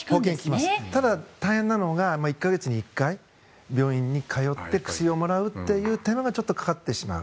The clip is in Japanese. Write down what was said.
ただ、大変なのが１か月に１回、病院に行って薬をもらうという手間がちょっとかかってしまう。